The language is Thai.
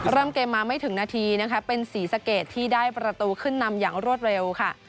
เริ่มเกมมาไม่ถึงนาทีนะคะเป็นศรีสะเกดที่ได้ประตูขึ้นนำอย่างรวดเร็วค่ะ